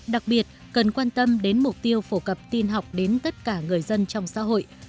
đặc biệt cần quan tâm đến mục tiêu phổ cập tin học đến tất cả người dân trong xã hội